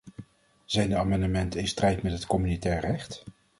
Zijn de amendementen in strijd met het communautair recht?